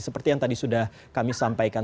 seperti yang tadi sudah kami sampaikan